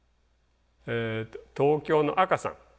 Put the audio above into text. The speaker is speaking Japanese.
東京のあかさん